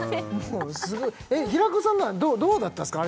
うんえっ平子さんのはどうだったんですか